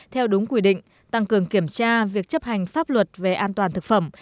theo đúng quy định tăng cường kiểm tra việc chấp hành pháp luật về an toàn thực phẩm